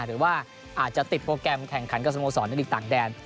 หรือว่าอาจจะติดโปรแกรมแข่งขันกับสโมสรในลีกต่างแดน